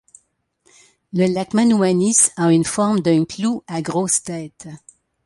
Le lac Manouanis a une forme d’un clou à grosse tête.